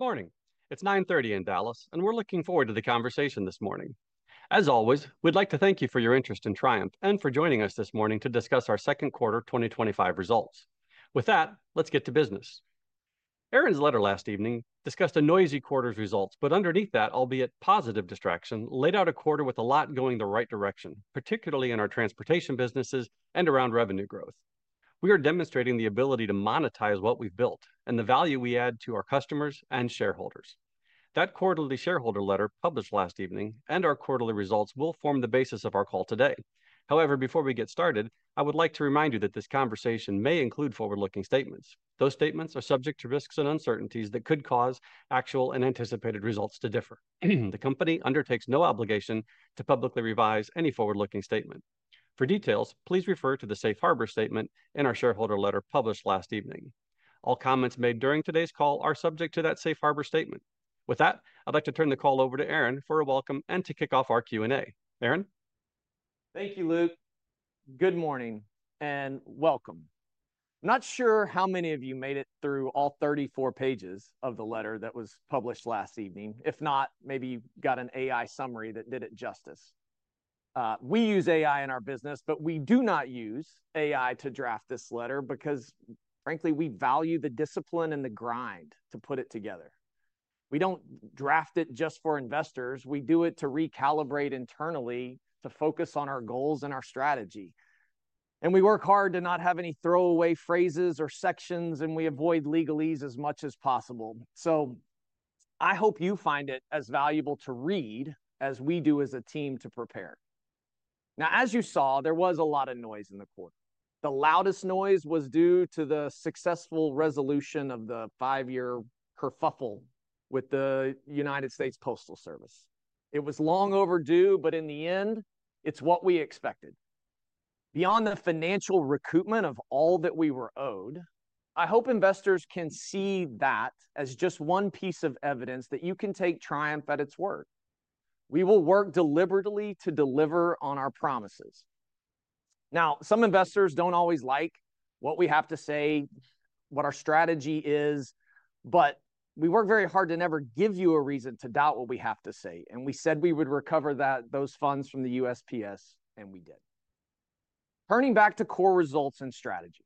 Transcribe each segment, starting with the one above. Morning. It's 9:30 A.M. in Dallas, and we're looking forward to the conversation this morning. As always, we'd like to thank you for your interest in Triumph Financial and for joining us this morning to discuss our second quarter 2025 results. With that, let's get to business. Aaron's letter last evening discussed a noisy quarter's results, but underneath that, albeit positive distraction, laid out a quarter with a lot going the right direction, particularly in our transportation businesses and around revenue growth. We are demonstrating the ability to monetize what we've built and the value we add to our customers and shareholders. That quarterly shareholder letter published last evening and our quarterly results will form the basis of our call today. However, before we get started, I would like to remind you that this conversation may include forward-looking statements. Those statements are subject to risks and uncertainties that could cause actual and anticipated results to differ. The company undertakes no obligation to publicly revise any forward-looking statement. For details, please refer to the Safe Harbor statement in our shareholder letter published last evening. All comments made during today's call are subject to that Safe Harbor statement. With that, I'd like to turn the call over to Aaron for a welcome and to kick off our Q&A. Aaron? Thank you, Luke. Good morning and welcome. I'm not sure how many of you made it through all 34 pages of the letter that was published last evening. If not, maybe you got an AI summary that did it justice. We use AI in our business, but we do not use AI to draft this letter because, frankly, we value the discipline and the grind to put it together. We don't draft it just for investors. We do it to recalibrate internally, to focus on our goals and our strategy. We work hard to not have any throwaway phrases or sections, and we avoid legalese as much as possible. I hope you find it as valuable to read as we do as a team to prepare. As you saw, there was a lot of noise in the quarter. The loudest noise was due to the successful resolution of the five-year kerfuffle with the United States Postal Service. It was long overdue, but in the end, it's what we expected. Beyond the financial recoupment of all that we were owed, I hope investors can see that as just one piece of evidence that you can take Triumph at its word. We will work deliberately to deliver on our promises. Some investors don't always like what we have to say, what our strategy is, but we work very hard to never give you a reason to doubt what we have to say. We said we would recover those funds from the United States Postal Service, and we did. Turning back to core results and strategy,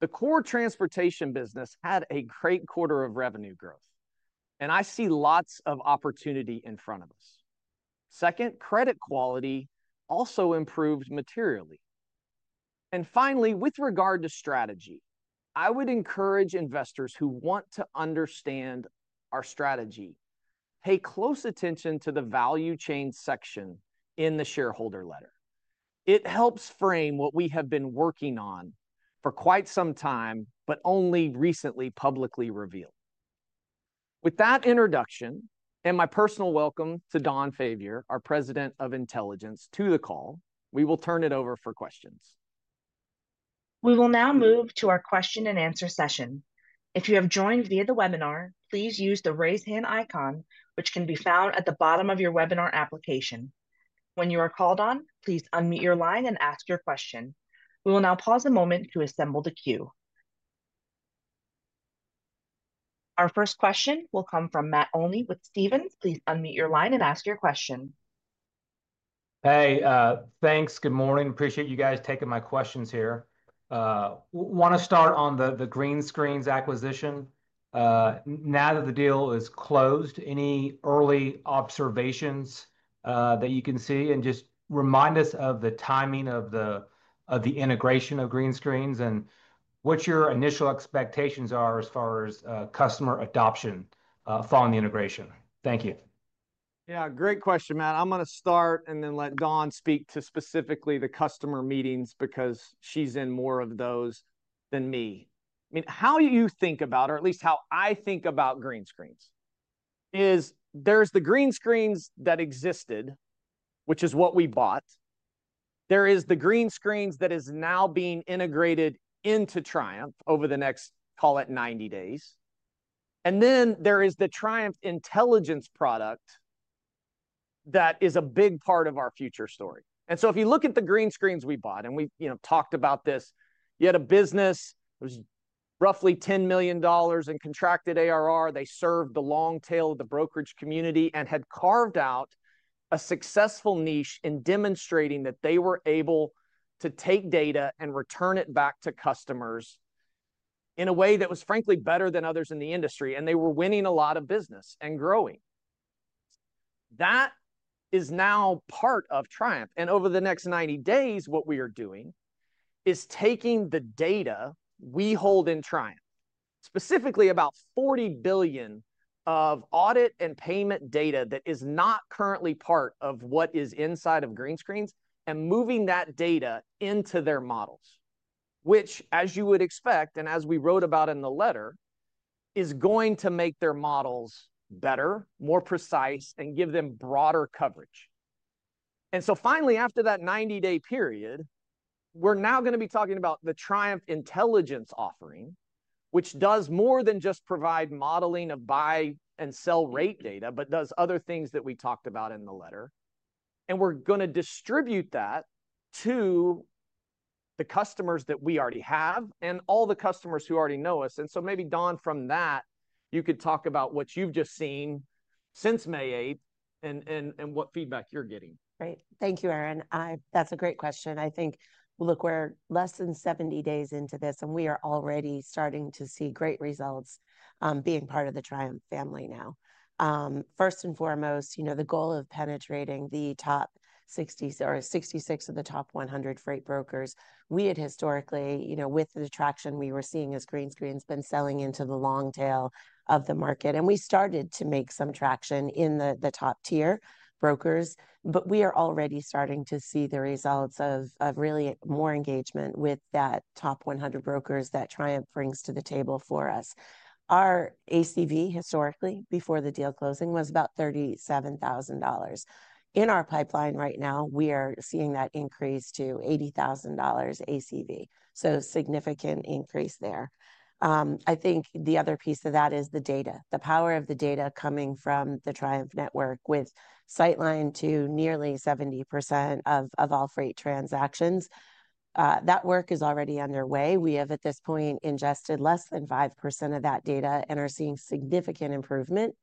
the core transportation business had a great quarter of revenue growth, and I see lots of opportunity in front of us. Credit quality also improved materially. Finally, with regard to strategy, I would encourage investors who want to understand our strategy to pay close attention to the value chain section in the shareholder letter. It helps frame what we have been working on for quite some time, but only recently publicly revealed. With that introduction and my personal welcome to Dawn Favier, our President of Intelligence, to the call, we will turn it over for questions. We will now move to our question-and-answer session. If you have joined via the webinar, please use the raise hand icon, which can be found at the bottom of your webinar application. When you are called on, please unmute your line and ask your question. We will now pause a moment to assemble the queue. Our first question will come from Matt Olney with Stephens. Please unmute your line and ask your question. Hey, thanks. Good morning. Appreciate you guys taking my questions here. Want to start on the Greenscreens acquisition. Now that the deal is closed, any early observations that you can see, and just remind us of the timing of the integration of Greenscreens and what your initial expectations are as far as customer adoption following the integration. Thank you. Yeah. Great question, Matt. I'm going to start and then let Dawn speak to specifically the customer meetings because she's in more of those than me. I mean, how you think about, or at least how I think about Greenscreens is there's the Greenscreens that existed, which is what we bought. There is the Greenscreens that is now being integrated into Triumph over the next, call it, 90 days. There is the Triumph Intelligence product that is a big part of our future story. If you look at the Greenscreens we bought and we talked about this, you had a business that was roughly $10 million in contracted ARR. They served the long tail of the brokerage community and had carved out a successful niche in demonstrating that they were able to take data and return it back to customers in a way that was, frankly, better than others in the industry. They were winning a lot of business and growing. That is now part of Triumph. Over the next 90 days, what we are doing is taking the data we hold in Triumph, specifically about $40 billion of audit and payment data that is not currently part of what is inside of Greenscreens, and moving that data into their models, which, as you would expect and as we wrote about in the letter, is going to make their models better, more precise, and give them broader coverage. Finally, after that 90-day period, we're now going to be talking about the Triumph Intelligence offering, which does more than just provide modeling of buy and sell rate data, but does other things that we talked about in the letter. We're going to distribute that to the customers that we already have and all the customers who already know us. Maybe, Dawn, from that, you could talk about what you've just seen since May 8 and what feedback you're getting. Right. Thank you, Aaron. That's a great question. I think, look, we're less than 70 days into this, and we are already starting to see great results being part of the Triumph family now. First and foremost, the goal of penetrating the top 60 or 66 of the top 100 freight brokers. We had historically, with the traction we were seeing as Greenscreens, been selling into the long tail of the market. We started to make some traction in the top tier brokers, but we are already starting to see the results of really more engagement with that top 100 brokers that Triumph brings to the table for us. Our average contract value historically, before the deal closing, was about $37,000. In our pipeline right now, we are seeing that increase to $80,000 ACV. A significant increase there. I think the other piece of that is the data, the power of the data coming from the Triumph network with Siteline to nearly 70% of all freight transactions. That work is already underway. We have, at this point, ingested less than 5% of that data and are seeing significant improvement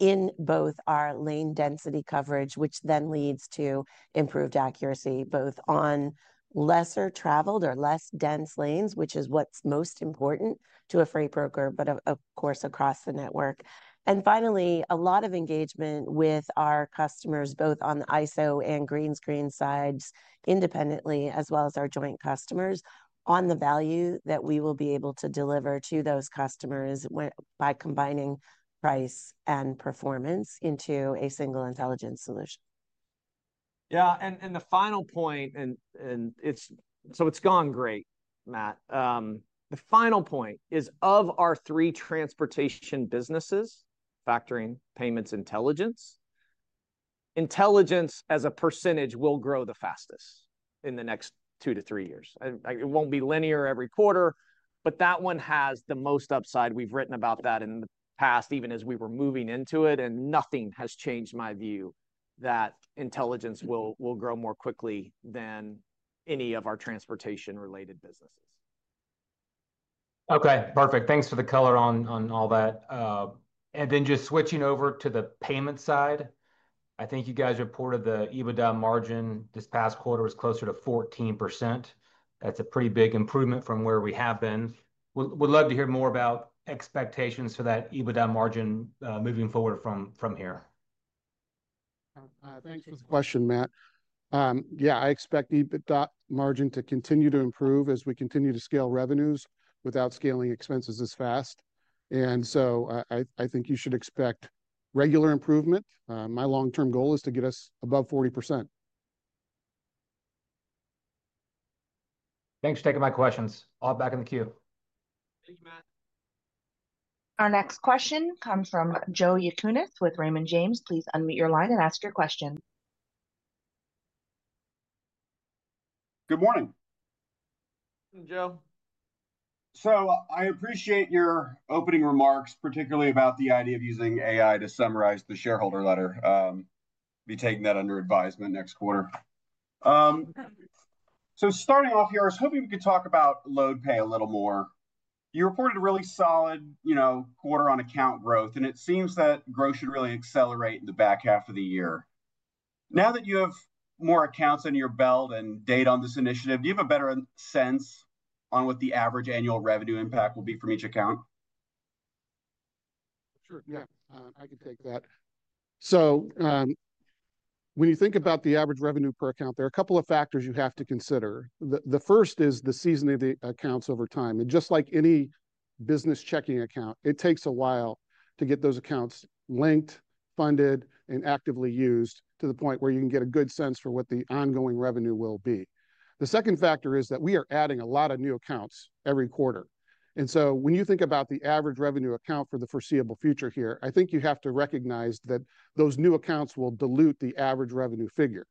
in both our lane density coverage, which then leads to improved accuracy both on lesser traveled or less dense lanes, which is what's most important to a freight broker, of course, across the network. Finally, a lot of engagement with our customers both on the ISO and Greenscreens sides independently, as well as our joint customers on the value that we will be able to deliver to those customers by combining price and performance into a single intelligence solution. Yeah. The final point is of our three transportation businesses, factoring, payments, intelligence, intelligence as a percentage will grow the fastest in the next two to three years. It won't be linear every quarter, but that one has the most upside. We've written about that in the past, even as we were moving into it, and nothing has changed my view that intelligence will grow more quickly than any of our transportation-related businesses. Okay, perfect. Thanks for the color on all that. Just switching over to the payment side, I think you guys reported the EBITDA margin this past quarter was closer to 14%. That's a pretty big improvement from where we have been. We'd love to hear more about expectations for that EBITDA margin moving forward from here. Thanks for the question, Matt. Yeah, I expect EBITDA margin to continue to improve as we continue to scale revenues without scaling expenses as fast. I think you should expect regular improvement. My long-term goal is to get us above 40%. Thanks for taking my questions. I'll back in the queue. Our next question comes from Joe Yanchunis with Raymond James. Please unmute your line and ask your question. Good morning. Joe. I appreciate your opening remarks, particularly about the idea of using AI to summarize the shareholder letter. I'll be taking that under advisement next quarter. Starting off here, I was hoping we could talk about load pay a little more. You reported a really solid quarter on account growth, and it seems that growth should really accelerate in the back half of the year. Now that you have more accounts under your belt and data on this initiative, do you have a better sense on what the average annual revenue impact will be from each account? Sure. Yeah, I can take that. When you think about the average revenue per account, there are a couple of factors you have to consider. The first is the seasoning of the accounts over time. Just like any business checking account, it takes a while to get those accounts linked, funded, and actively used to the point where you can get a good sense for what the ongoing revenue will be. The second factor is that we are adding a lot of new accounts every quarter. When you think about the average revenue account for the foreseeable future here, I think you have to recognize that those new accounts will dilute the average revenue figure.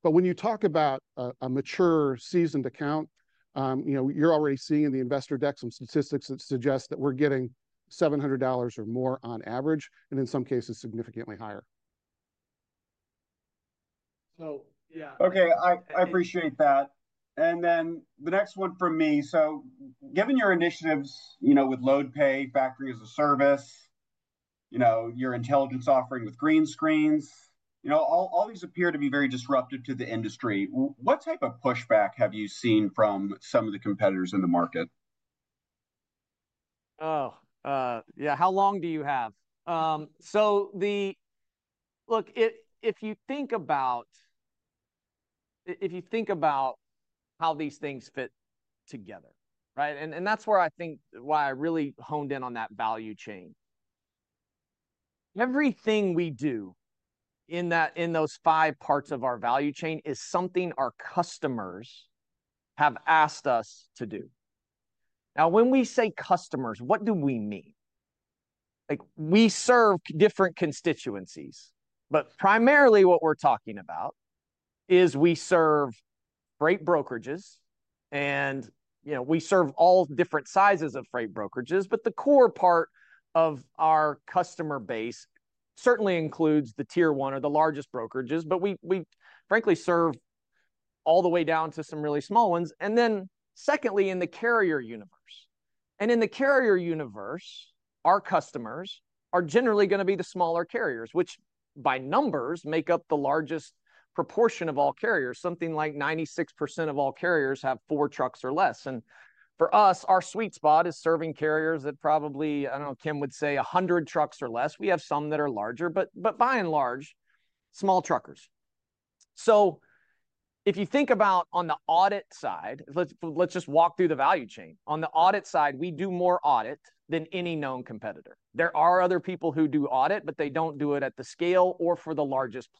When you talk about a mature, seasoned account, you're already seeing in the investor decks and statistics that suggest that we're getting $700 or more on average, and in some cases, significantly higher. Okay, I appreciate that. The next one from me. Given your initiatives with load pay, factory as a service, your intelligence offering with Greenscreens, all these appear to be very disruptive to the industry. What type of pushback have you seen from some of the competitors in the market? Oh, yeah. How long do you have? If you think about how these things fit together, right? That's where I think why I really honed in on that value chain. Everything we do in those five parts of our value chain is something our customers have asked us to do. Now, when we say customers, what do we mean? We serve different constituencies, but primarily what we're talking about is we serve freight brokerages, and we serve all different sizes of freight brokerages. The core part of our customer base certainly includes the tier one or the largest brokerages, but we frankly serve all the way down to some really small ones. Secondly, in the carrier universe, our customers are generally going to be the smaller carriers, which by numbers make up the largest proportion of all carriers. Something like 96% of all carriers have four trucks or less. For us, our sweet spot is serving carriers that probably, I don't know, Kim would say 100 trucks or less. We have some that are larger, but by and large, small truckers. If you think about on the audit side, let's just walk through the value chain. On the audit side, we do more audit than any known competitor. There are other people who do audit, but they don't do it at the scale or for the largest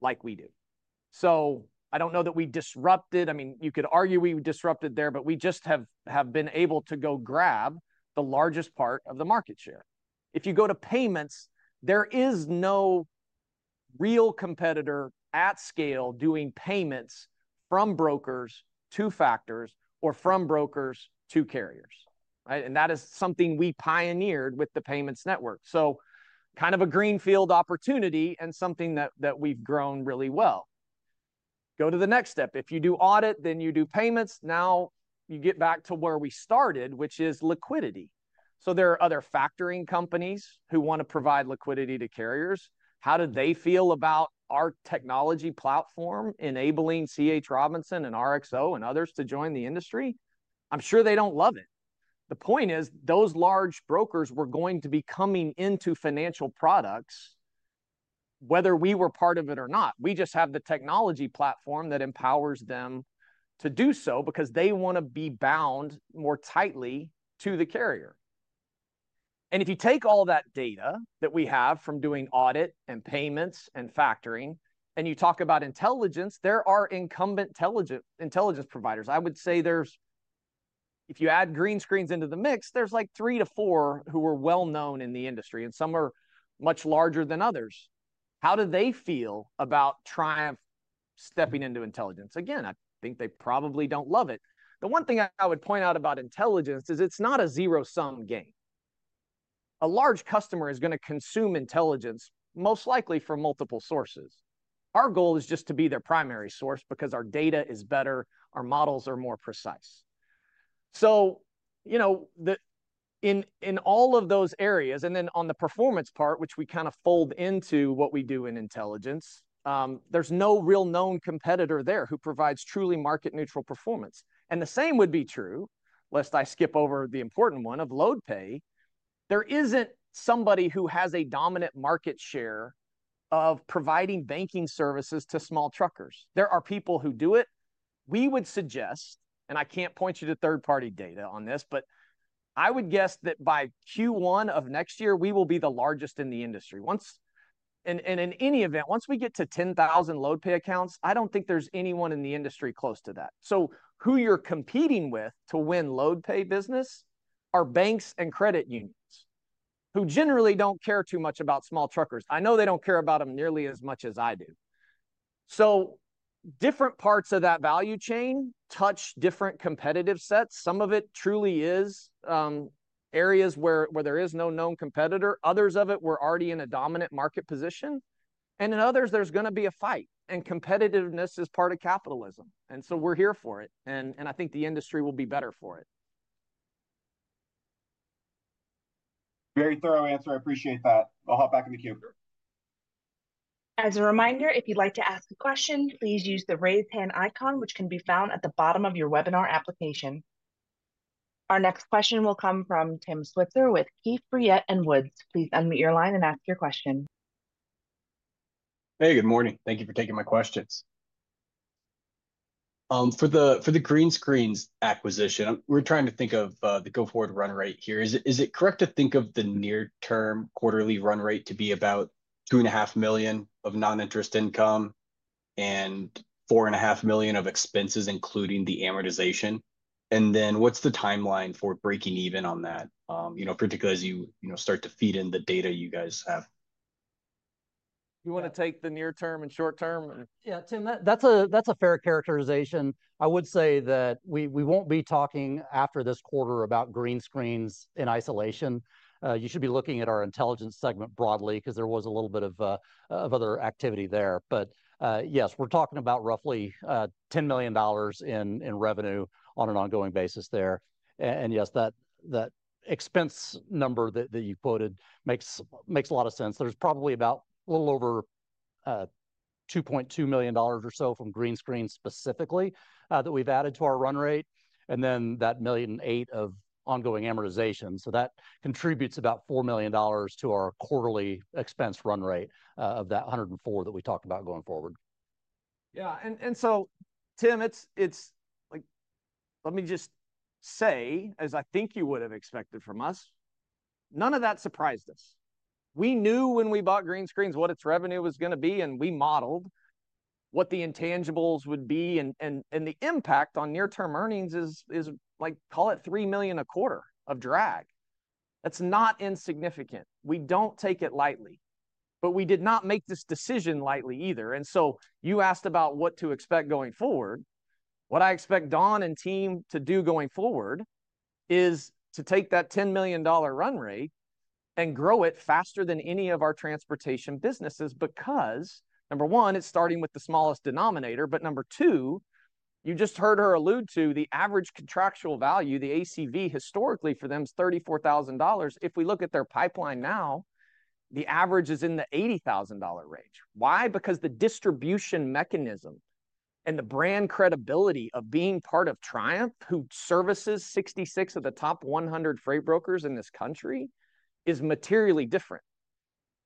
players like we do. I don't know that we disrupted. You could argue we disrupted there, but we just have been able to go grab the largest part of the market share. If you go to payments, there is no real competitor at scale doing payments from brokers to factors or from brokers to carriers. That is something we pioneered with the payments network, kind of a greenfield opportunity and something that we've grown really well. Go to the next step. If you do audit, then you do payments. Now you get back to where we started, which is liquidity. There are other factoring companies who want to provide liquidity to carriers. How do they feel about our technology platform enabling C.H. Robinson and RXO and others to join the industry? I'm sure they don't love it. The point is those large brokers were going to be coming into financial products whether we were part of it or not. We just have the technology platform that empowers them to do so because they want to be bound more tightly to the carrier. If you take all that data that we have from doing audit and payments and factoring and you talk about intelligence, there are incumbent intelligence providers. I would say there's, if you add Greenscreens into the mix, there's like three to four who are well known in the industry, and some are much larger than others. How do they feel about Triumph stepping into intelligence? I think they probably don't love it. The one thing I would point out about intelligence is it's not a zero-sum game. A large customer is going to consume intelligence most likely from multiple sources. Our goal is just to be their primary source because our data is better, our models are more precise. In all of those areas, and then on the performance part, which we kind of fold into what we do in intelligence, there's no real known competitor there who provides truly market-neutral performance. The same would be true, lest I skip over the important one of load pay. There isn't somebody who has a dominant market share of providing banking services to small truckers. There are people who do it. We would suggest, and I can't point you to third-party data on this, but I would guess that by Q1 of next year, we will be the largest in the industry. In any event, once we get to 10,000 load pay accounts, I don't think there's anyone in the industry close to that. Who you're competing with to win load pay business are banks and credit unions who generally don't care too much about small truckers. I know they don't care about them nearly as much as I do. Different parts of that value chain touch different competitive sets. Some of it truly is areas where there is no known competitor. Others of it, we're already in a dominant market position. In others, there's going to be a fight. Competitiveness is part of capitalism. We're here for it. I think the industry will be better for it. Very thorough answer. I appreciate that. I'll hop back in the queue. As a reminder, if you'd like to ask a question, please use the raise hand icon, which can be found at the bottom of your webinar application. Our next question will come from Tim Switzer with Keefe, Bruyette & Woods. Please unmute your line and ask your question. Hey, good morning. Thank you for taking my questions. For the Greenscreens acquisition, we're trying to think of the go-forward run rate here. Is it correct to think of the near-term quarterly run rate to be about $2.5 million of non-interest income and $4.5 million of expenses, including the amortization? What's the timeline for breaking even on that, you know, particularly as you start to feed in the data you guys have? You want to take the near term and short term? Yeah, Tim, that's a fair characterization. I would say that we won't be talking after this quarter about Greenscreens in isolation. You should be looking at our intelligence segment broadly because there was a little bit of other activity there. Yes, we're talking about roughly $10 million in revenue on an ongoing basis there. Yes, that expense number that you quoted makes a lot of sense. There's probably about a little over $2.2 million or so from Greenscreens specifically that we've added to our run rate, and that $1.8 million of ongoing amortization. That contributes about $4 million to our quarterly expense run rate of that $104 million that we talked about going forward. Yeah. Tim, let me just say, as I think you would have expected from us, none of that surprised us. We knew when we bought Greenscreens what its revenue was going to be, and we modeled what the intangibles would be. The impact on near-term earnings is, call it, $3 million a quarter of drag. That's not insignificant. We don't take it lightly. We did not make this decision lightly either. You asked about what to expect going forward. What I expect Dawn and team to do going forward is to take that $10 million run rate and grow it faster than any of our transportation businesses because, number one, it's starting with the smallest denominator. Number two, you just heard her allude to the average contract value, the ACV historically for them is $34,000. If we look at their pipeline now, the average is in the $80,000 range. Why? Because the distribution mechanism and the brand credibility of being part of Triumph, who services 66 of the top 100 freight brokers in this country, is materially different.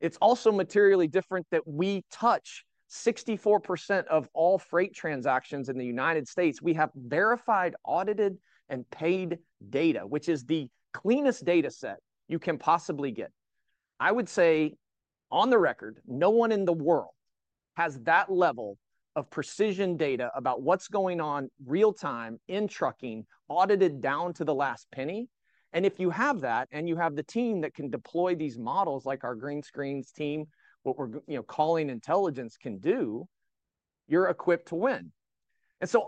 It's also materially different that we touch 64% of all freight transactions in the U.S. We have verified, audited, and paid data, which is the cleanest data set you can possibly get. I would say on the record, no one in the world has that level of precision data about what's going on real time in trucking, audited down to the last penny. If you have that and you have the team that can deploy these models like our Greenscreens team, what we're calling intelligence can do, you're equipped to win.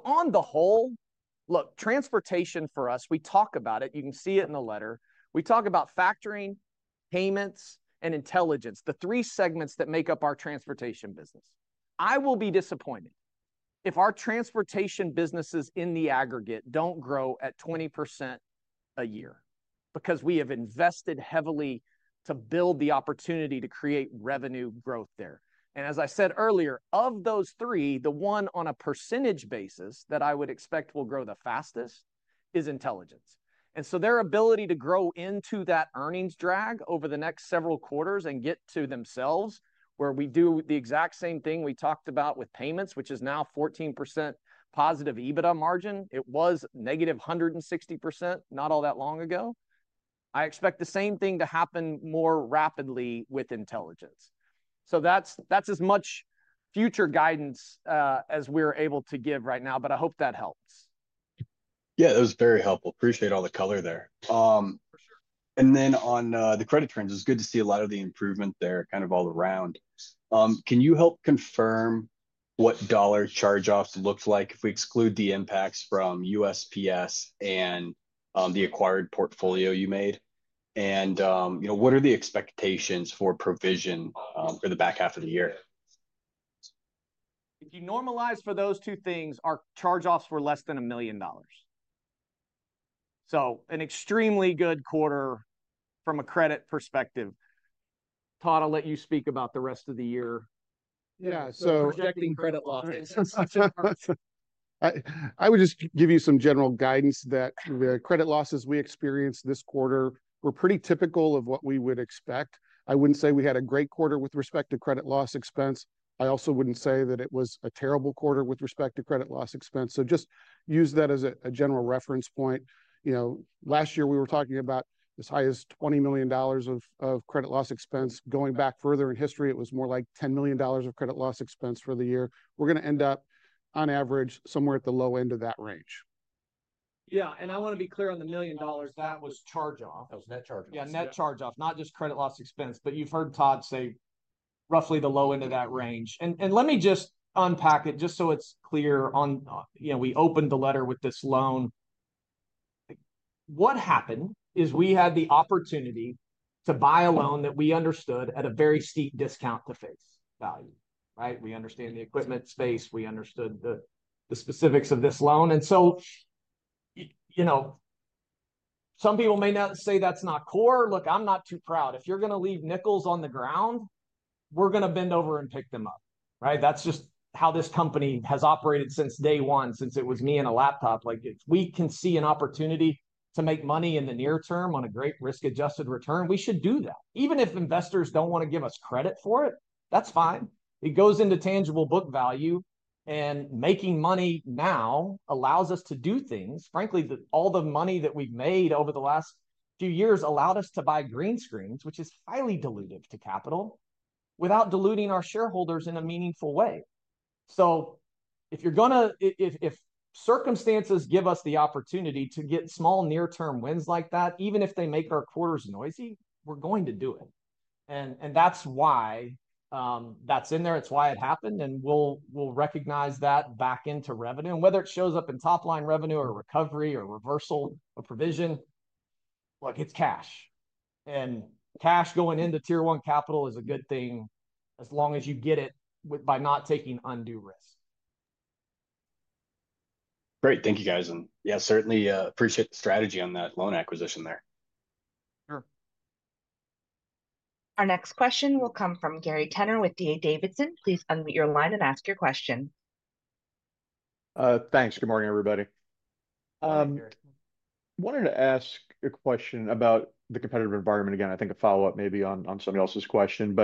On the whole, look, transportation for us, we talk about it. You can see it in the letter. We talk about factoring, payments, and intelligence, the three segments that make up our transportation business. I will be disappointed if our transportation businesses in the aggregate don't grow at 20% a year because we have invested heavily to build the opportunity to create revenue growth there. As I said earlier, of those three, the one on a percentage basis that I would expect will grow the fastest is intelligence. Their ability to grow into that earnings drag over the next several quarters and get to themselves, where we do the exact same thing we talked about with payments, which is now 14% positive EBITDA margin. It was negative 160% not all that long ago. I expect the same thing to happen more rapidly with intelligence. That's as much future guidance as we're able to give right now, but I hope that helps. Yeah, that was very helpful. Appreciate all the color there. On the credit trends, it's good to see a lot of the improvement there kind of all around. Can you help confirm what dollar charge-offs look like if we exclude the impacts from the USPS and the acquired portfolio you made? What are the expectations for provision for the back half of the year? If you normalize for those two things, our charge-offs were less than $1 million. An extremely good quarter from a credit perspective. Todd, I'll let you speak about the rest of the year. Yeah, so. Rejecting credit losses. I would just give you some general guidance that the credit losses we experienced this quarter were pretty typical of what we would expect. I wouldn't say we had a great quarter with respect to credit loss expense. I also wouldn't say that it was a terrible quarter with respect to credit loss expense. Just use that as a general reference point. Last year we were talking about as high as $20 million of credit loss expense. Going back further in history, it was more like $10 million of credit loss expense for the year. We're going to end up on average somewhere at the low end of that range. Yeah, I want to be clear on the $1 million. That was charge-off. That was net charge-off. Yeah, net charge-off, not just credit loss expense, but you've heard Todd say roughly the low end of that range. Let me just unpack it just so it's clear. You know, we opened the letter with this loan. What happened is we had the opportunity to buy a loan that we understood at a very steep discount to face. Value, right? We understand the equipment space. We understood the specifics of this loan. Some people may say that's not core. Look, I'm not too proud. If you're going to leave nickels on the ground, we're going to bend over and pick them up, right? That's just how this company has operated since day one, since it was me and a laptop. If we can see an opportunity to make money in the near term on a great risk-adjusted return, we should do that. Even if investors don't want to give us credit for it, that's fine. It goes into tangible book value, and making money now allows us to do things. Frankly, all the money that we've made over the last few years allowed us to buy Greenscreens, which is highly dilutive to capital, without diluting our shareholders in a meaningful way. If circumstances give us the opportunity to get small near-term wins like that, even if they make our quarters noisy, we're going to do it. That's why that's in there. It's why it happened. We'll recognize that back into revenue. Whether it shows up in top line revenue or recovery or reversal of provision, look, it's cash. Cash going into tier one capital is a good thing as long as you get it by not taking undue risk. Great. Thank you, guys. I certainly appreciate the strategy on that loan acquisition there. Sure. Our next question will come from Gary Tenner with D.A. Davidson. Please unmute your line and ask your question. Thanks. Good morning, everybody. I wanted to ask a question about the competitive environment. I think a follow-up maybe on somebody else's question.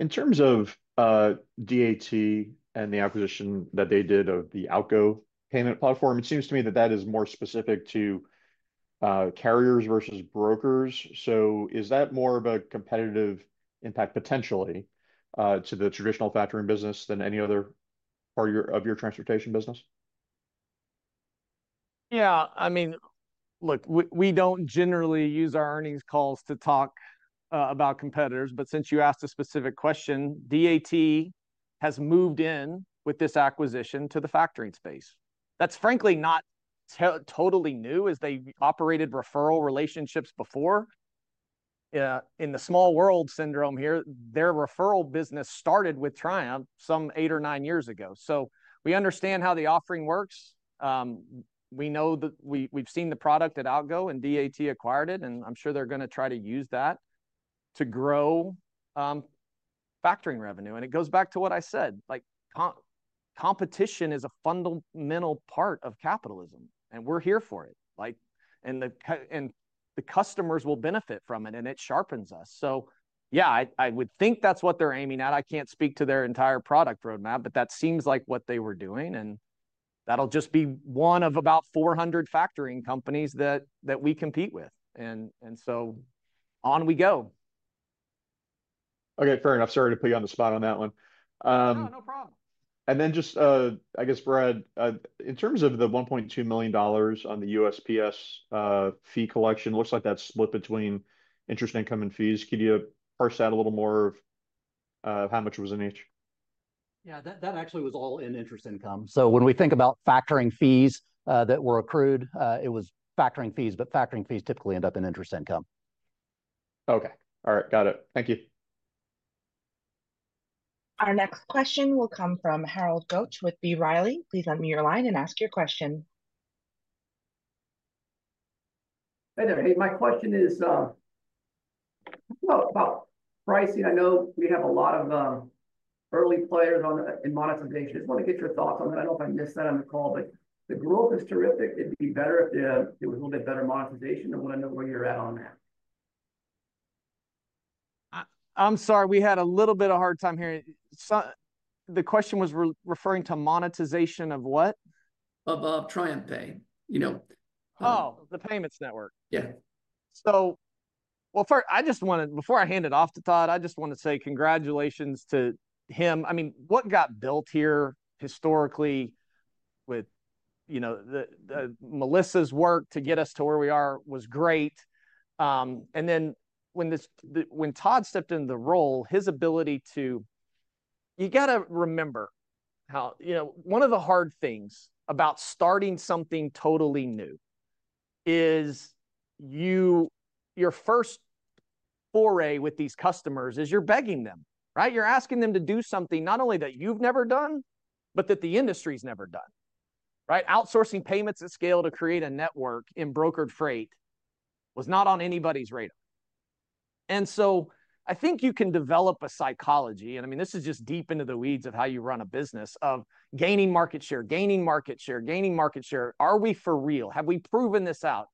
In terms of DAT and the acquisition that they did of the Outgo payment platform, it seems to me that that is more specific to carriers versus brokers. Is that more of a competitive impact potentially to the traditional factoring business than any other part of your transportation business? Yeah, I mean, look, we don't generally use our earnings calls to talk about competitors. Since you asked a specific question, DAT has moved in with this acquisition to the factoring space. That's frankly not totally new, as they operated referral relationships before. In the small world syndrome here, their referral business started with Triumph some eight or nine years ago. We understand how the offering works. We know that we've seen the product at Outgo, and DAT acquired it, and I'm sure they're going to try to use that to grow factoring revenue. It goes back to what I said. Competition is a fundamental part of capitalism, and we're here for it. The customers will benefit from it, and it sharpens us. Yeah, I would think that's what they're aiming at. I can't speak to their entire product roadmap, but that seems like what they were doing. That'll just be one of about 400 factoring companies that we compete with. On we go. Okay, fair enough. Sorry to put you on the spot on that one. Yeah, no problem. Brad, in terms of the $1.2 million on the USPS fee collection, it looks like that split between interest income and fees. Can you parse that a little more of how much was in each? Yeah, that actually was all in interest income. When we think about factoring fees that were accrued, it was factoring fees, but factoring fees typically end up in interest income. Okay. All right. Got it. Thank you. Our next question will come from Hal Goetsch with B. Riley. Please unmute your line and ask your question. Hey, my question is about pricing. I know we have a lot of early players in monetization. I just want to get your thoughts on that. I don't know if I missed that on the call, but the growth is terrific. It'd be better if there was a little bit better monetization. I want to know where you're at on that. I'm sorry. We had a little bit of a hard time here. The question was referring to monetization of what? Of TriumphPay. Oh, the payments network. Yeah. First, I just want to, before I hand it off to Todd, I just want to say congratulations to him. I mean, what got built here historically with, you know, Melissa's work to get us to where we are was great. When Todd stepped into the role, his ability to, you got to remember how, you know, one of the hard things about starting something totally new is your first foray with these customers is you're begging them, right? You're asking them to do something not only that you've never done, but that the industry's never done, right? Outsourcing payments at scale to create a network in brokered freight was not on anybody's radar. I think you can develop a psychology, and I mean, this is just deep into the weeds of how you run a business, of gaining market share, gaining market share, gaining market share. Are we for real? Have we proven this out?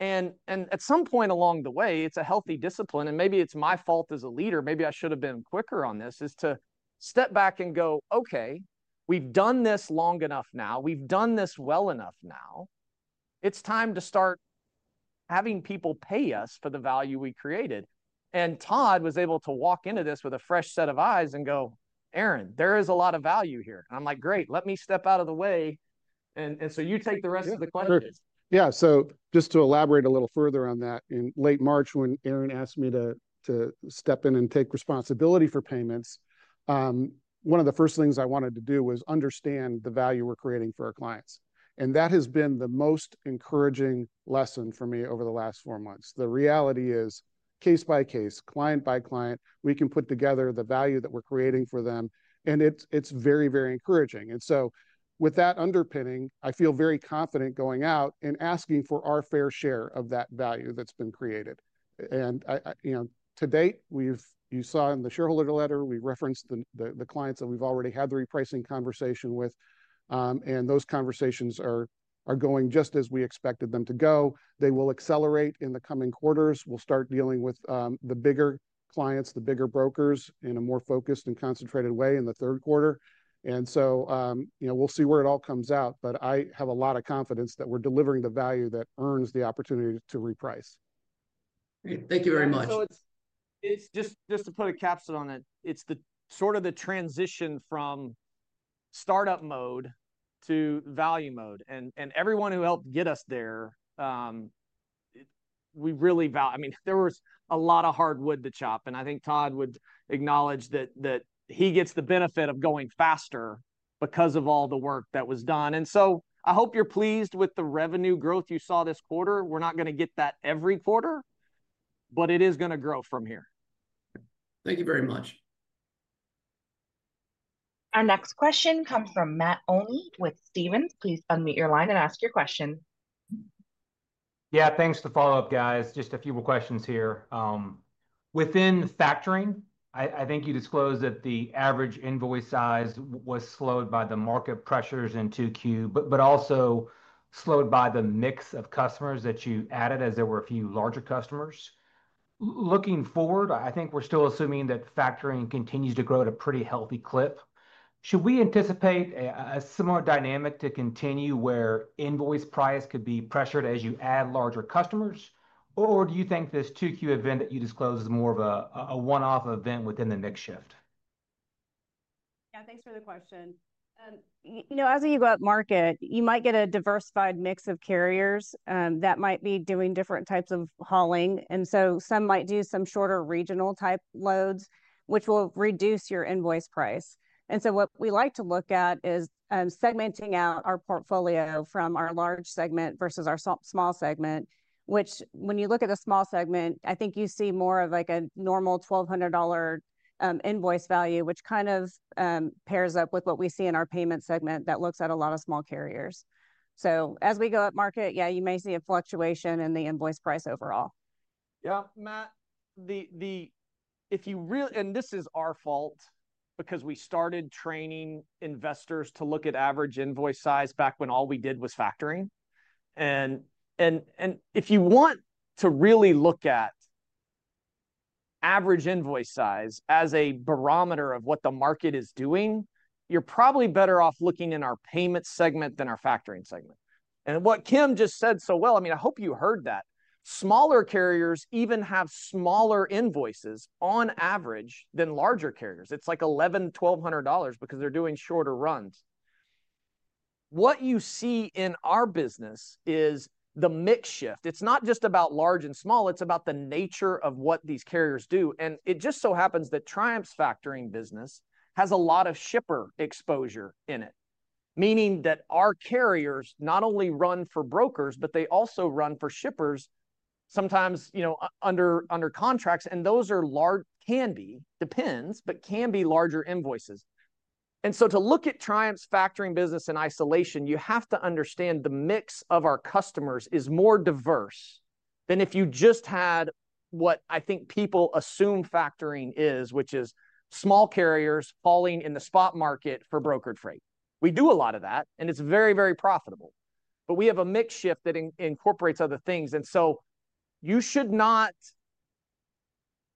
At some point along the way, it's a healthy discipline, and maybe it's my fault as a leader. Maybe I should have been quicker on this, to step back and go, okay, we've done this long enough now. We've done this well enough now. It's time to start having people pay us for the value we created. Todd was able to walk into this with a fresh set of eyes and go, Aaron, there is a lot of value here. I'm like, great, let me step out of the way. You take the rest of the clients. Yeah, so just to elaborate a little further on that, in late March, when Aaron asked me to step in and take responsibility for payments, one of the first things I wanted to do was understand the value we're creating for our clients. That has been the most encouraging lesson for me over the last four months. The reality is, case by case, client by client, we can put together the value that we're creating for them, and it's very, very encouraging. With that underpinning, I feel very confident going out and asking for our fair share of that value that's been created. You saw in the shareholder letter, we referenced the clients that we've already had the repricing conversation with. Those conversations are going just as we expected them to go. They will accelerate in the coming quarters. We'll start dealing with the bigger clients, the bigger brokers in a more focused and concentrated way in the third quarter. We'll see where it all comes out. I have a lot of confidence that we're delivering the value that earns the opportunity to reprice. Thank you very much. To put a capstone on it, it's the sort of the transition from startup mode to value mode. Everyone who helped get us there, we really value. I mean, there was a lot of hard wood to chop. I think Todd would acknowledge that he gets the benefit of going faster because of all the work that was done. I hope you're pleased with the revenue growth you saw this quarter. We're not going to get that every quarter, but it is going to grow from here. Thank you very much. Our next question comes from Matt Olney with Stephens. Please unmute your line and ask your question. Yeah, thanks for the follow-up, guys. Just a few more questions here. Within factoring, I think you disclosed that the average invoice size was slowed by the market pressures in 2Q, but also slowed by the mix of customers that you added as there were a few larger customers. Looking forward, I think we're still assuming that factoring continues to grow at a pretty healthy clip. Should we anticipate a similar dynamic to continue where invoice price could be pressured as you add larger customers? Do you think this 2Q event that you disclosed is more of a one-off event within the next shift? Yeah, thanks for the question. As you go up market, you might get a diversified mix of carriers that might be doing different types of hauling. Some might do some shorter regional type loads, which will reduce your invoice price. What we like to look at is segmenting out our portfolio from our large segment versus our small segment. When you look at the small segment, I think you see more of like a normal $1,200 invoice value, which kind of pairs up with what we see in our payments segment that looks at a lot of small carriers. As we go up market, you may see a fluctuation in the invoice price overall. Yeah, Matt, if you really, and this is our fault because we started training investors to look at average invoice size back when all we did was factoring. If you want to really look at average invoice size as a barometer of what the market is doing, you're probably better off looking in our payments segment than our factoring segment. What Kim just said so well, I mean, I hope you heard that. Smaller carriers even have smaller invoices on average than larger carriers. It's like $1,100, $1,200 because they're doing shorter runs. What you see in our business is the mix shift. It's not just about large and small. It's about the nature of what these carriers do. It just so happens that Triumph's factoring business has a lot of shipper exposure in it, meaning that our carriers not only run for brokers, but they also run for shippers, sometimes, you know, under contracts. Those are large, can be, depends, but can be larger invoices. To look at Triumph's factoring business in isolation, you have to understand the mix of our customers is more diverse than if you just had what I think people assume factoring is, which is small carriers hauling in the spot market for brokered freight. We do a lot of that, and it's very, very profitable. We have a mix shift that incorporates other things. You should not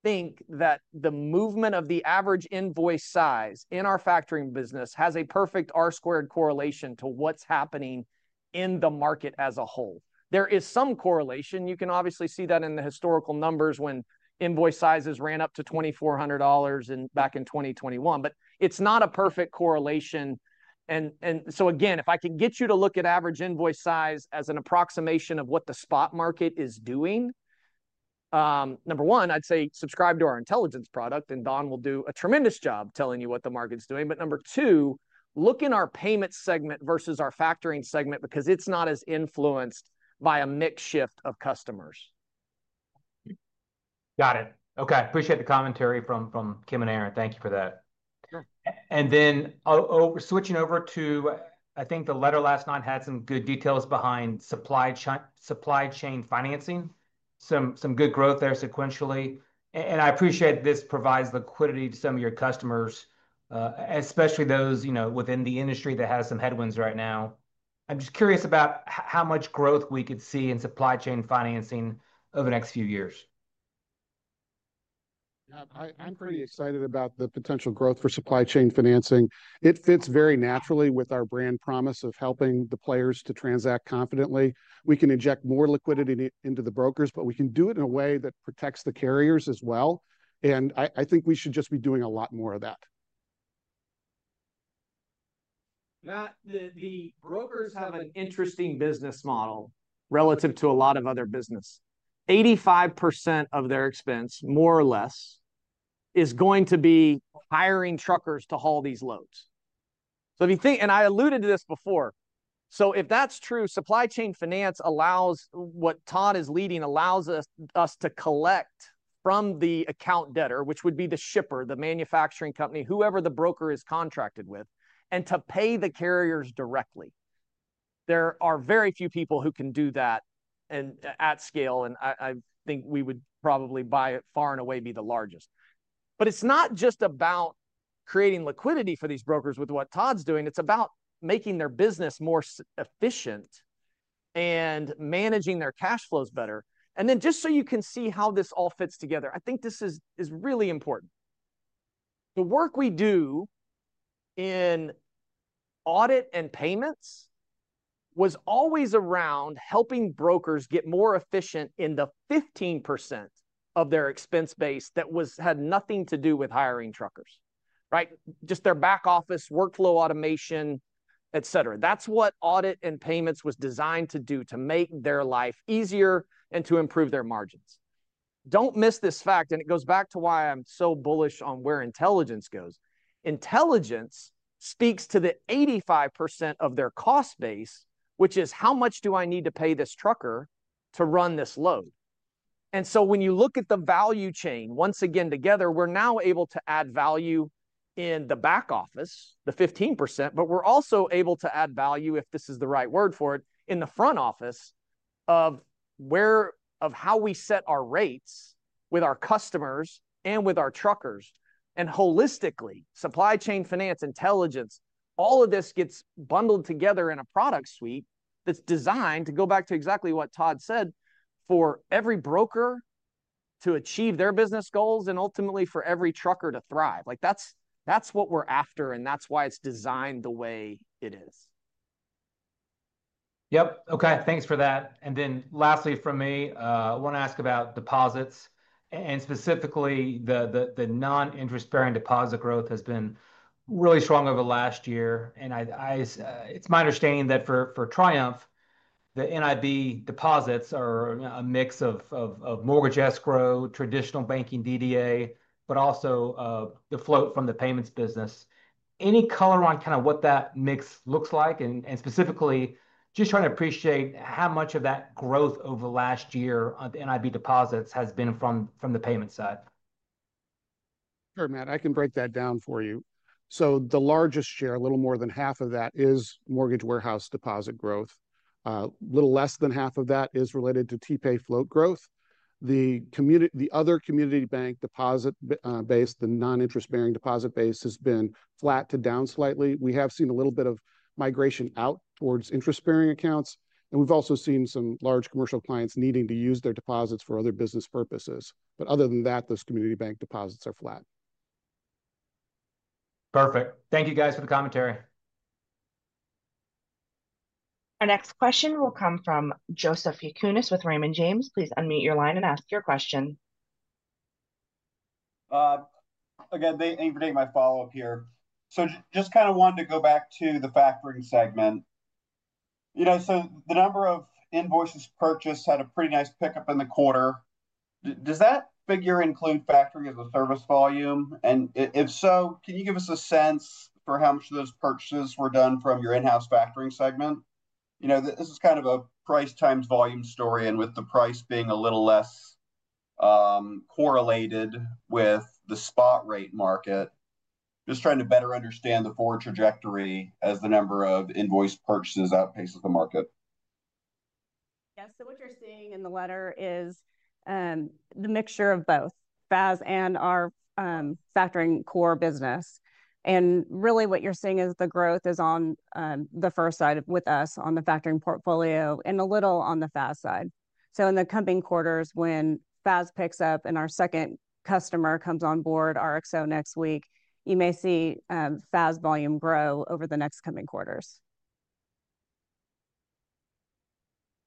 think that the movement of the average invoice size in our factoring business has a perfect R-squared correlation to what's happening in the market as a whole. There is some correlation. You can obviously see that in the historical numbers when invoice sizes ran up to $2,400 back in 2021. It's not a perfect correlation. If I could get you to look at average invoice size as an approximation of what the spot market is doing, number one, I'd say subscribe to our intelligence product, and Dawn will do a tremendous job telling you what the market's doing. Number two, look in our payments segment versus our factoring segment because it's not as influenced by a mix shift of customers. Got it. Okay. Appreciate the commentary from Kim and Aaron. Thank you for that. Sure. Switching over to, I think the letter last night had some good details behind supply chain financing, some good growth there sequentially. I appreciate this provides liquidity to some of your customers, especially those within the industry that has some headwinds right now. I'm just curious about how much growth we could see in supply chain financing over the next few years. I'm pretty excited about the potential growth for supply chain financing. It fits very naturally with our brand promise of helping the players to transact confidently. We can inject more liquidity into the brokers, and we can do it in a way that protects the carriers as well. I think we should just be doing a lot more of that. The brokers have an interesting business model relative to a lot of other business. 85% of their expense, more or less, is going to be hiring truckers to haul these loads. If you think, and I alluded to this before, if that's true, supply chain finance allows, what Todd is leading, allows us to collect from the account debtor, which would be the shipper, the manufacturing company, whoever the broker is contracted with, and to pay the carriers directly. There are very few people who can do that at scale, and I think we would probably by far and away be the largest. It's not just about creating liquidity for these brokers with what Todd's doing. It's about making their business more efficient and managing their cash flows better. Just so you can see how this all fits together, I think this is really important. The work we do in audit and payments was always around helping brokers get more efficient in the 15% of their expense base that had nothing to do with hiring truckers, right? Just their back office, workflow automation, etc. That's what audit and payments was designed to do, to make their life easier and to improve their margins. Don't miss this fact, and it goes back to why I'm so bullish on where intelligence goes. Intelligence speaks to the 85% of their cost base, which is how much do I need to pay this trucker to run this load? When you look at the value chain, once again, together, we're now able to add value in the back office, the 15%, but we're also able to add value, if this is the right word for it, in the front office of how we set our rates with our customers and with our truckers. Holistically, supply chain finance, intelligence, all of this gets bundled together in a product suite that's designed to go back to exactly what Todd said, for every broker to achieve their business goals and ultimately for every trucker to thrive. That's what we're after, and that's why it's designed the way it is. Okay. Thanks for that. Lastly from me, I want to ask about deposits. Specifically, the non-interest-bearing deposit growth has been really strong over the last year. It's my understanding that for Triumph, the NIB deposits are a mix of mortgage escrow, traditional banking DDA, but also the float from the payments business. Any color on what that mix looks like? Specifically, just trying to appreciate how much of that growth over the last year on the NIB deposits has been from the payments side. Sure, Matt. I can break that down for you. The largest share, a little more than half of that, is mortgage warehouse deposit growth. A little less than half of that is related to TriumphPay float growth. The other community bank deposit base, the non-interest-bearing deposit base, has been flat to down slightly. We have seen a little bit of migration out towards interest-bearing accounts. We've also seen some large commercial clients needing to use their deposits for other business purposes. Other than that, those community bank deposits are flat. Perfect. Thank you guys for the commentary. Our next question will come from Joe Yanchunis with Raymond James. Please unmute your line and ask your question. Again, they aren't going to take my follow-up here. Just kind of wanted to go back to the factoring segment. You know, the number of invoices purchased had a pretty nice pickup in the quarter. Does that figure include factoring as a service volume? If so, can you give us a sense for how much of those purchases were done from your in-house factoring segment? This is kind of a price times volume story, and with the price being a little less correlated with the spot rate market, just trying to better understand the forward trajectory as the number of invoice purchases outpaces the market. Yeah, what you're seeing in the letter is the mixture of both FAS and our factoring core business. What you're seeing is the growth is on the first side with us on the factoring portfolio and a little on the FAS side. In the coming quarters, when FAS picks up and our second customer comes on board, RXO next week, you may see FAS volume grow over the next coming quarters.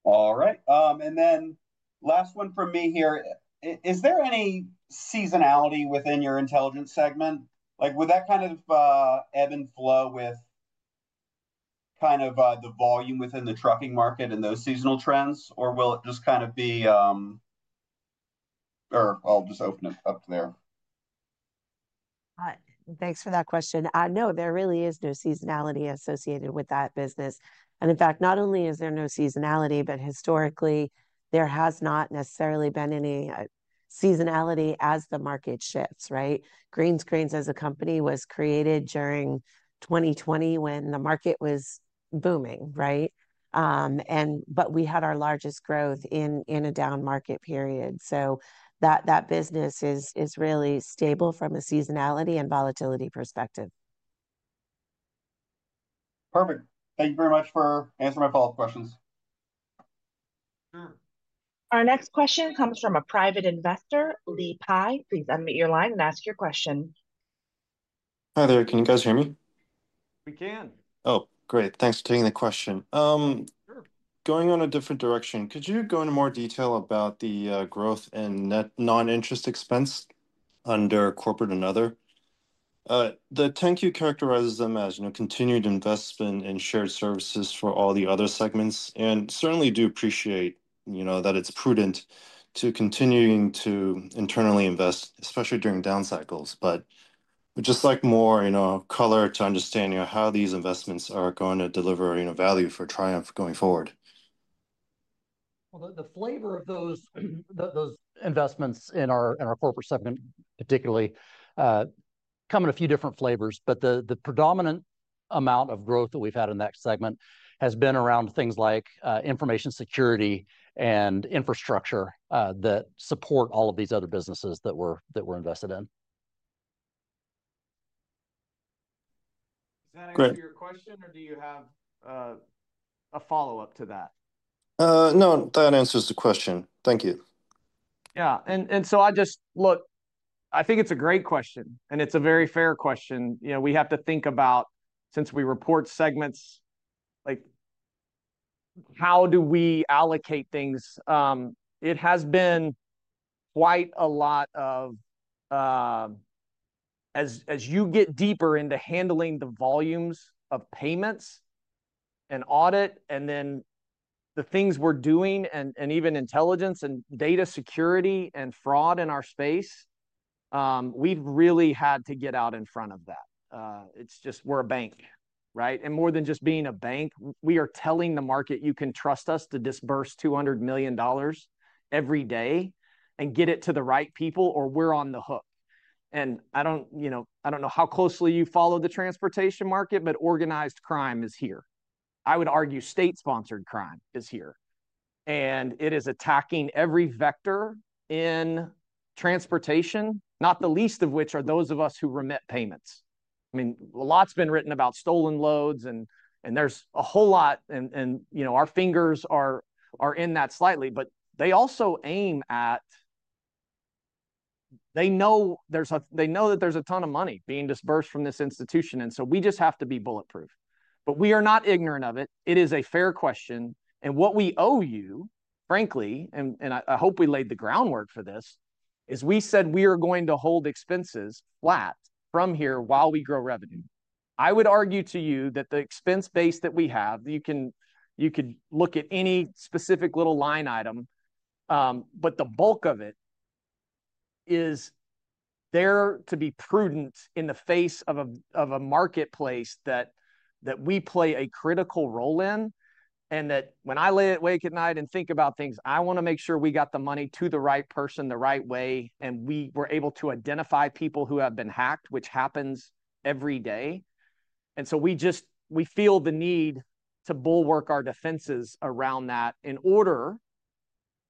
All right. Last one from me here. Is there any seasonality within your intelligence segment? Would that kind of ebb and flow with the volume within the trucking market and those seasonal trends, or will it just kind of be, or I'll just open it up there. Thanks for that question. No, there really is no seasonality associated with that business. In fact, not only is there no seasonality, but historically, there has not necessarily been any seasonality as the market shifts, right? Greenscreens as a company was created during 2020 when the market was booming, right? We had our largest growth in a down market period. That business is really stable from a seasonality and volatility perspective. Perfect. Thank you very much for answering my follow-up questions. Our next question comes from a private investor, [Lee Pai. Please unmute your line and ask your question. Hi there, can you guys hear me? We can. Oh, great. Thanks for taking the question. Going on a different direction, could you go into more detail about the growth in net non-interest expense under corporate another? The 10-Q characterizes them as, you know, continued investment in shared services for all the other segments. I certainly do appreciate, you know, that it's prudent to continue to internally invest, especially during down cycles. I'd just like more, you know, color to understand, you know, how these investments are going to deliver, you know, value for Triumph going forward. The flavor of those investments in our corporate segment particularly come in a few different flavors, but the predominant amount of growth that we've had in that segment has been around things like information security and infrastructure that support all of these other businesses that we're invested in. Great. Your question, or do you have a follow-up to that? No, that answers the question. Thank you. Yeah. I think it's a great question, and it's a very fair question. We have to think about, since we report segments, how do we allocate things? It has been quite a lot of, as you get deeper into handling the volumes of payments and audit, and then the things we're doing, and even intelligence and data security and fraud in our space, we've really had to get out in front of that. We're a bank, right? More than just being a bank, we are telling the market you can trust us to disburse $200 million every day and get it to the right people, or we're on the hook. I don't know how closely you follow the transportation market, but organized crime is here. I would argue state-sponsored crime is here. It is attacking every vector in transportation, not the least of which are those of us who remit payments. A lot's been written about stolen loads, and there's a whole lot, and our fingers are in that slightly, but they also aim at, they know that there's a ton of money being disbursed from this institution, and we just have to be bulletproof. We are not ignorant of it. It is a fair question. What we owe you, frankly, and I hope we laid the groundwork for this, is we said we are going to hold expenses flat from here while we grow revenue. I would argue to you that the expense base that we have, you can look at any specific little line item, but the bulk of it is there to be prudent in the face of a marketplace that we play a critical role in. When I lay awake at night and think about things, I want to make sure we got the money to the right person the right way, and we were able to identify people who have been hacked, which happens every day. We feel the need to bull work our defenses around that in order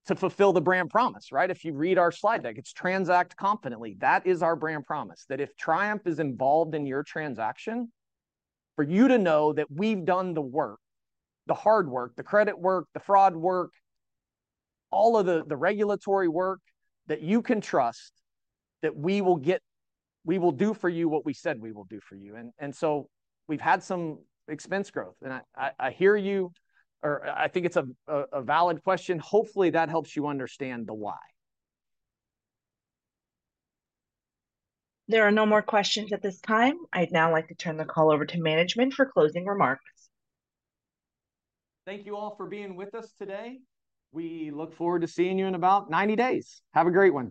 to fulfill the brand promise, right? If you read our slide deck, it's transact confidently. That is our brand promise, that if Triumph is involved in your transaction, for you to know that we've done the work, the hard work, the credit work, the fraud work, all of the regulatory work that you can trust, that we will do for you what we said we will do for you. We've had some expense growth. I hear you, or I think it's a valid question. Hopefully, that helps you understand the why. There are no more questions at this time. I'd now like to turn the call over to management for closing remarks. Thank you all for being with us today. We look forward to seeing you in about 90 days. Have a great one.